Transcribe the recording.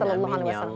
amin ya allah